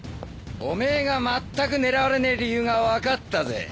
オメエがまったく狙われねえ理由が分かったぜん？